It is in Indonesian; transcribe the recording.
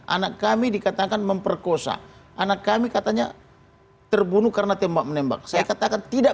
anak kami dikatakan memperkosa anak kami katanya terbunuh karena tembak menembak saya katakan tidak